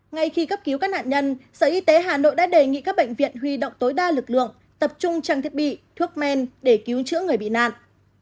ngay khi cấp cứu các nạn nhân sở y tế hà nội đã đề nghị các bệnh viện huy động tối đa lực lượng tập trung trang thiết bị thuốc men để cứu chữa người bị nạn